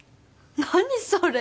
何それ